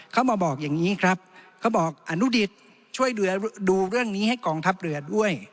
เขามาบอกอย่างนี้ครับเขาบอกอนุดิตช่วยดูเรื่องนี้ให้กองทัพเรือด้วย